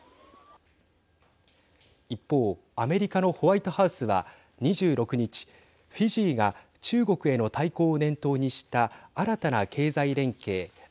一方アメリカのホワイトハウスは２６日フィジーが中国への対抗を念頭にした新たな経済連携